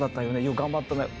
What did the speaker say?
「頑張ったね。